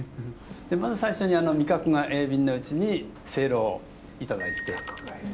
まず最初に味覚が鋭敏なうちにせいろを頂いて。